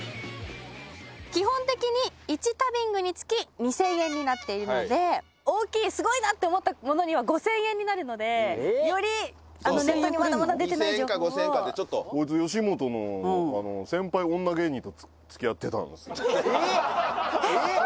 基本的に１旅ングにつき２０００円になっているので大きいすごいなって思ったものには５０００円になるのでよりネットにまだまだ出てない情報を２０００円か５０００円かでちょっとこいつえっえっ？